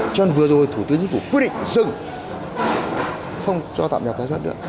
cho nên vừa rồi thủ tướng chính phủ quyết định dừng không cho tạm nhập tái xuất nữa